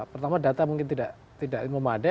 pertama data mungkin tidak memadai